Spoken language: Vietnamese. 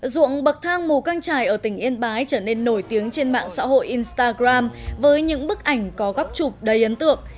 dụng bậc thang mù căng trải ở tỉnh yên bái trở nên nổi tiếng trên mạng xã hội instagram với những bức ảnh có góc chụp đầy ấn tượng